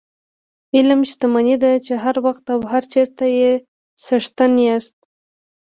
علم شتمني ده چې هر وخت او هر چېرته یې څښتن یاست.